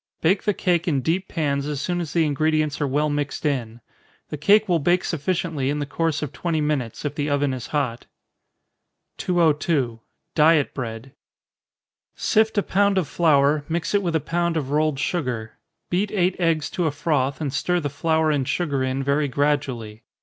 Bake the cake in deep pans as soon as the ingredients are well mixed in. The cake will bake sufficiently in the course of twenty minutes, if the oven is hot. 202. Diet Bread. Sift a pound of flour, mix it with a pound of rolled sugar. Beat eight eggs to a froth, and stir the flour and sugar in very gradually.